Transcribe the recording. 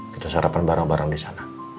kita sarapan bareng bareng disana